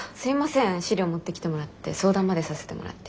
資料持ってきてもらって相談までさせてもらって。